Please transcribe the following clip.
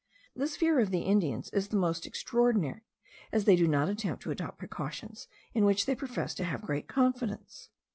This fear of the Indians is the more extraordinary, as they do not attempt to adopt precautions in which they profess to have great confidence.